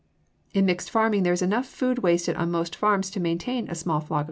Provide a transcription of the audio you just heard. In mixed farming there is enough food wasted on most farms to maintain a small flock of sheep.